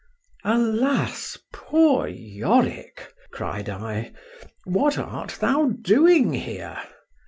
— Alas, poor Yorick! cried I, what art thou doing here?